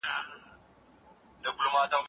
شاګرد د متن دقت لوړوي.